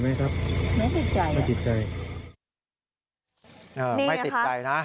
ไม่ติดใจนะ